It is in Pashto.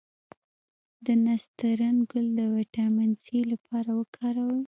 د نسترن ګل د ویټامین سي لپاره وکاروئ